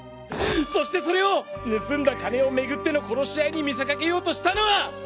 そしてそれを盗んだ金を巡っての殺し合いに見せかけようとしたのは！